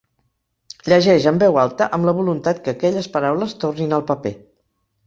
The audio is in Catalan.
Llegeix en veu alta amb la voluntat que aquelles paraules tornin al paper.